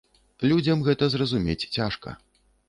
Людзям гэта зразумець цяжка.